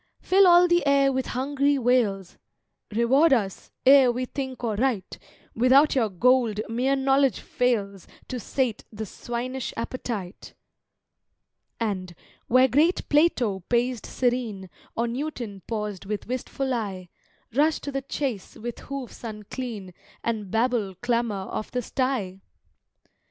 Fill all the air with hungry wails "Reward us, ere we think or write! Without your Gold mere Knowledge fails To sate the swinish appetite!" And, where great Plato paced serene, Or Newton paused with wistful eye, Rush to the chace with hoofs unclean And Babel clamour of the sty!